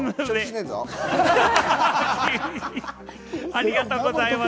ありがとうございます。